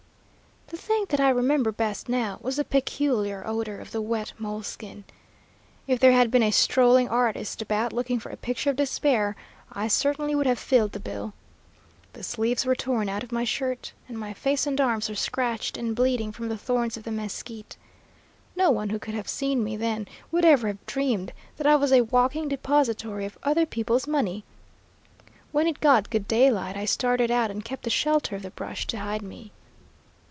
"The thing that I remember best now was the peculiar odor of the wet mole skin. If there had been a strolling artist about looking for a picture of Despair, I certainly would have filled the bill. The sleeves were torn out of my shirt, and my face and arms were scratched and bleeding from the thorns of the mesquite. No one who could have seen me then would ever have dreamed that I was a walking depositary of 'Other People's Money.' When it got good daylight I started out and kept the shelter of the brush to hide me.